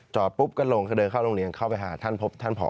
ปุ๊บก็ลงก็เดินเข้าโรงเรียนเข้าไปหาท่านพบท่านผอ